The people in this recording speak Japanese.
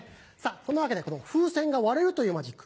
そんなわけでこの風船が割れるというマジック。